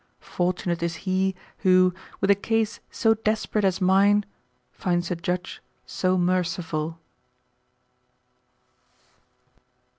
Fortunate is he who, with a case so desperate as mine, finds a judge so merciful.